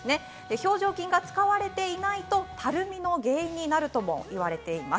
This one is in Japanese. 表情筋が使われていないとたるみの原因になるともいわれています。